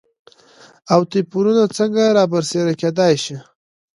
او توپېرونه څنګه رابرسيره کېداي شي؟